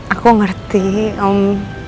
aku ngerti om